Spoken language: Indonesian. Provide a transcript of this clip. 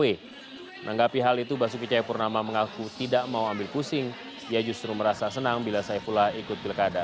menanggapi hal itu basuki cahayapurnama mengaku tidak mau ambil pusing dia justru merasa senang bila saifullah ikut pilkada